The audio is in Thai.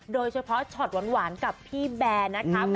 โดยเฉพาะช็อตหวานกับพี่แบร์นะคะ